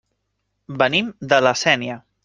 Venim de La Sénia.